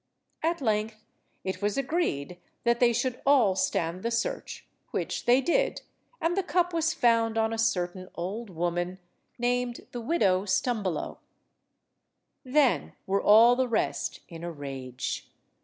At length it was agreed that they should all stand the search, which they did, and the cup was found on a certain old woman, named the widow Stumbelow. Then were all the rest in a rage.